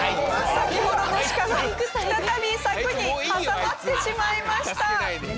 先ほどの鹿が再び柵に挟まってしまいました。